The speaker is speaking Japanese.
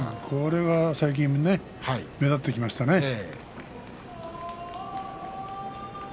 これが最近目立ってきましたね。